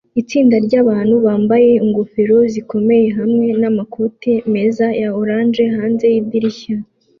Itsinda ryabantu bambaye ingofero zikomeye hamwe namakoti meza ya orange hanze yidirishya